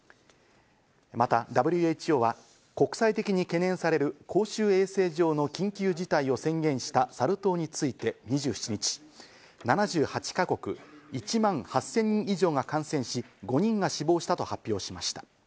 またＷＨＯは国際的に懸念される公衆衛生上の緊急事態を宣言したサル痘について２７日、７８か国、１万８０００人以上が感染し、５人が死亡したと発表しました。